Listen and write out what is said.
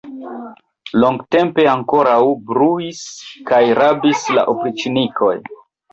Longtempe ankoraŭ bruis kaj rabis la opriĉnikoj.